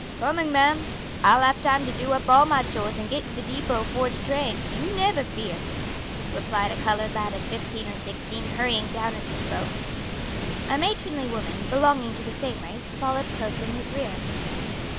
"Coming, ma'am. I'll have time to do up all my chores and git to the depot 'fore de train; you neber fear," replied a colored lad of fifteen or sixteen, hurrying down as he spoke. A matronly woman, belonging to the same race, followed close in his rear.